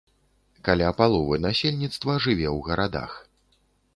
Каля паловы насельніцтва жыве ў гарадах.